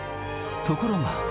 ところが。